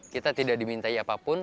kita tidak dimintai apapun